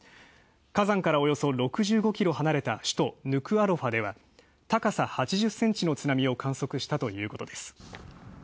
火山からおよそ６５キロ離れた首都ルクアロファでは高さ８０センチの津波を観測したということです。